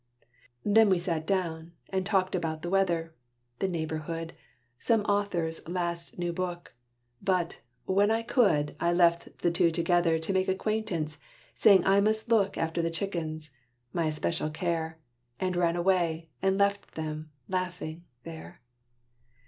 Then we sat down, and talked about the weather, The neighborhood some author's last new book. But, when I could, I left the two together To make acquaintance, saying I must look After the chickens my especial care; And ran away, and left them, laughing, there.